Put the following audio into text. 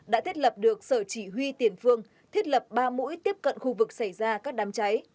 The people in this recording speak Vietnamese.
đã thiết lập được sở chỉ huy tiền phương thiết lập ba mũi tiếp cận khu vực xảy ra các đám cháy